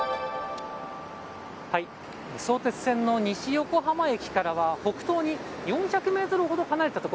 相鉄線の西横浜駅から北東に４００メートルほど離れた所。